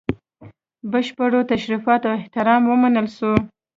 بشپړو تشریفاتو او احترام ومنل سو.